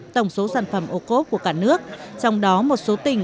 năm mươi năm bảy mươi bốn tổng số sản phẩm ô cốt của cả nước trong đó một số tỉnh